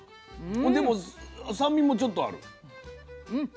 でも酸味もちょっとある。